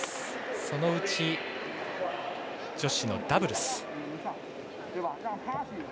そのうち女子のダブルス。